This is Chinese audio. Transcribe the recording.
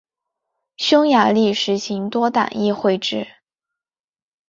匈牙利实行多党议会制。